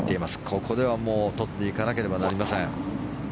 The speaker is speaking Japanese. ここではもう取っていなかければなりません。